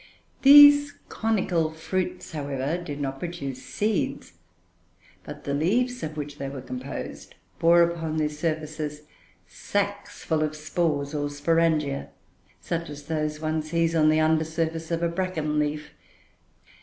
These conical fruits, however, did not produce seeds; but the leaves of which they were composed bore upon their surfaces sacs full of spores or sporangia, such as those one sees on the under surface of a bracken leaf.